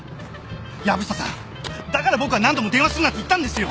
藪下さんだから僕は何度も電話するなって言ったんですよ！